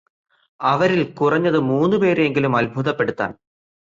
അവരിൽ കുറഞ്ഞത് മൂന്ന് പേരെ എങ്കിലും അത്ഭുതപ്പെടുത്താൻ